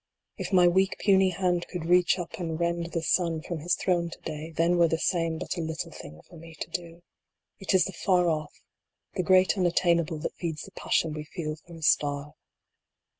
VI. If my weak puny hand could reach up and rend the sun DYING. 113 from his throne to day, then were the same but a little thing for me to do. It is the Far Off, the great Unattainable, that feeds the passion we feel for a star.